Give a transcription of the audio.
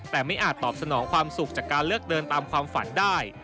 แต่ไม่อาจตอบสนองความสุขจากการเลือกเดินตามความฝันได้